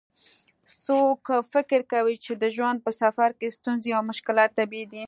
څوک فکر کوي چې د ژوند په سفر کې ستونزې او مشکلات طبیعي دي